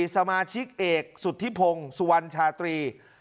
สมาชิกเอกสุธิพงศ์สุวรรณชาตรี